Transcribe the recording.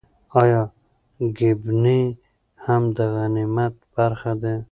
ایا ګېڼي هم د غنیمت برخه دي؟